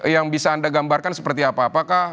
yang bisa anda gambarkan seperti apa apakah